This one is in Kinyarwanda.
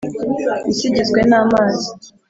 Isi igizwe n’amazi